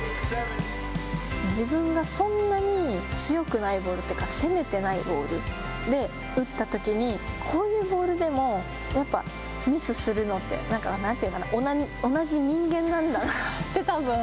自分がそんなに強くないボールというか攻めてないボールで打ったときにこういうボールでも、ミスするのって同じ人間なんだなって、たぶん。